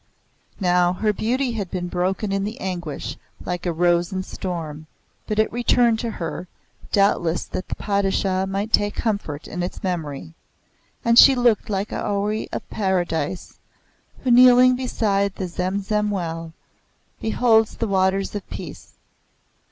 Now, her beauty had been broken in the anguish like a rose in storm; but it returned to her, doubtless that the Padishah might take comfort in its memory; and she looked like a houri of Paradise who, kneeling beside the Zemzem Well, beholds the Waters of Peace.